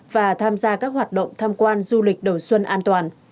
và tham gia các hoạt động tham quan du lịch đầu xuân an toàn